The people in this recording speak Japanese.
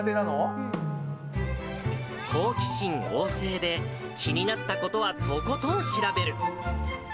好奇心旺盛で、気になったことはとことん調べる。